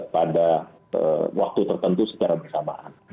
pada waktu tertentu secara bersamaan